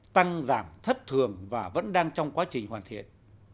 tăng giảm thất thường và vẫn đang trong quá trình hoàn thiện